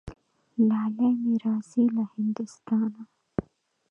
لالی مي راځي له هندوستانه